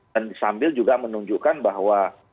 dan sambil juga menunjukkan bahwa